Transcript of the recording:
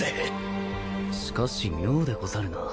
しかし妙でござるな。